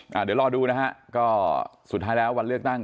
เดี๋ยวรอดูนะฮะก็สุดท้ายแล้ววันเลือกตั้ง